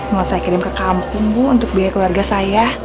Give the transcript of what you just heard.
mau saya kirim ke kampung bu untuk biaya keluarga saya